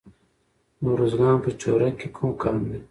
د ارزګان په چوره کې کوم کان دی؟